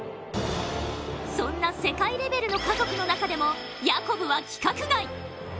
そんな世界レベルの家族の中でもヤコブは規格外。